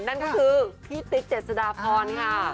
นั่นก็คือพี่ติ๊กเจษฎาพรค่ะ